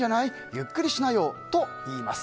ゆっくりしなよと言います。